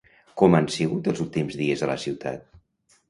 Com han sigut els últims dies a la ciutat?